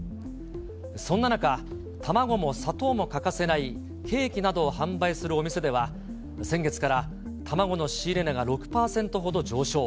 そんな中、卵も砂糖も欠かせない、ケーキなどを販売するお店では、先月から、卵の仕入れ値が６％ほど上昇。